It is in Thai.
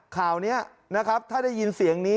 ข่าวนี้นะครับถ้าได้ยินเสียงนี้